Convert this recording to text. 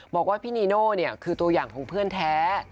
บอกว่าพี่นีโน่คือตัวอย่างของเพื่อนแท้